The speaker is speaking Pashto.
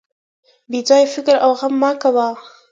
بې ځایه فکر او غم مه کوه.